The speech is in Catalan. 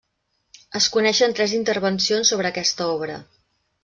Es coneixen tres intervencions sobre aquesta obra.